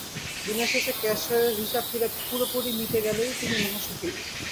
দিনের শেষে ক্যাশের হিসাব পুরোপুরি মিটে গেলেই তিনি মহাসুখী।